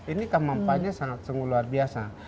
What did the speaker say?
ini kemampuannya sangat sangat luar biasa